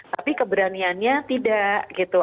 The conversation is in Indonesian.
tapi keberaniannya tidak gitu